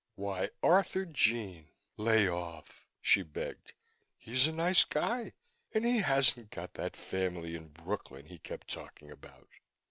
"Why, Arthurjean " "Lay off," she begged. "He's a nice guy and he hasn't got that family in Brooklyn he kept talking about.